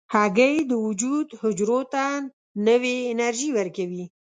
هګۍ د وجود حجرو ته نوې انرژي ورکوي.